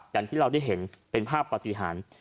อย่างที่เราได้เห็นเป็นภาพปฏิหาร